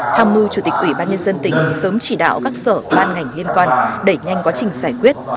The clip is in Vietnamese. tham mưu chủ tịch ủy ban nhân dân tỉnh sớm chỉ đạo các sở ban ngành liên quan đẩy nhanh quá trình giải quyết